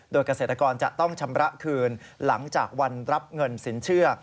โดยเกษตรกรจะต้องชำระคืนหลังจากวันรับเงินสินเชื่อ